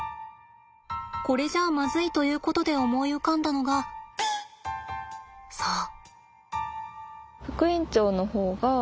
これじゃあまずいということで思い浮かんだのがそう。